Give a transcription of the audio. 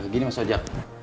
gini mas ojak